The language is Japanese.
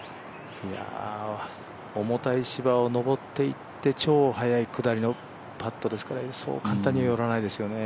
重たい芝を上っていって超早い下りのパットですからそう簡単には寄らないですよね。